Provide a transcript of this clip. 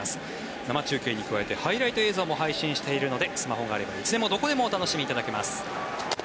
生中継に加えてハイライト映像もお伝えしているのでスマホがあればいつでもどこでもお楽しみいただけます。